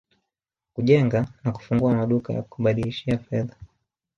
kujenga na kufungua maduka ya kubadilishia fedha